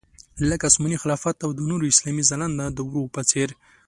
لکه عثماني خلافت او د نورو اسلامي ځلانده دورو په څېر.